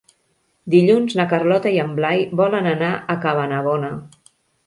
Dilluns na Carlota i en Blai volen anar a Cabanabona.